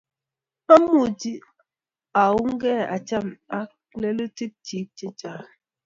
Mamuchi aungei acham ak lelutik chiik chechang